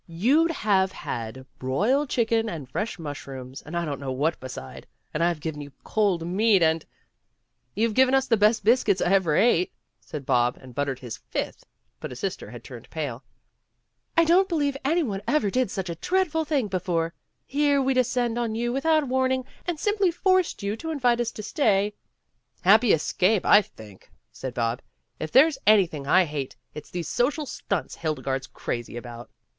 You'd have had broiled chicken and fresh mushrooms and I don't know what beside, and I've given you cold meat and " "You've given us the best biscuits I ever ate," said Bob, and buttered his fifth, but his sister had turned pale. "I don't believe any one ever did such a dreadful thing before. Here we descended on you without warning and simply forced you to invite us to stay " WHAT'S IN A NAME? 17 "Happy escape, I think," said Bob. "If there's anything I hate, it's these social stunts Hildegarde 's crazy about."